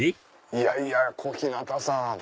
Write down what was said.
いやいや小日向さん。